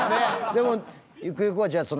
でもゆくゆくはじゃあ